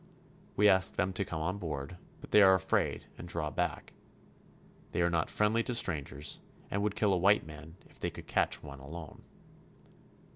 We ask them to come on board, but they are afraid and draw back. They are not friendly to strangers, and would kill a white man if they could catch one alone.